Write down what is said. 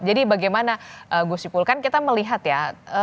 jadi bagaimana gus ipul kan kita melihat ya